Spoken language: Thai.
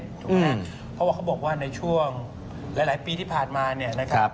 เพราะว่าเขาบอกว่าในช่วงหลายปีที่ผ่านมาเนี่ยนะครับ